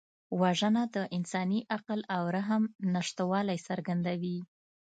وژنه د انساني عقل او رحم نشتوالی څرګندوي